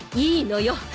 いいのよ